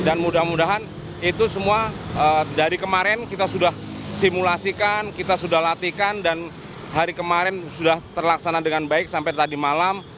dan mudah mudahan itu semua dari kemarin kita sudah simulasikan kita sudah latihkan dan hari kemarin sudah terlaksana dengan baik sampai tadi malam